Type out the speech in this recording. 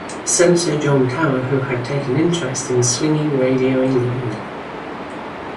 Senator John Tower who had taken interest in Swinging Radio England.